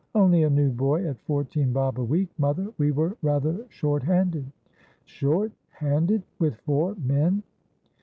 ' Only a new boy at fourteen bob a week, mother. We were rather short handed.' ' Short handed ! With four men